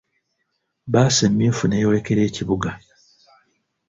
Bbaasi emyufu n'eyolekera ekibuga.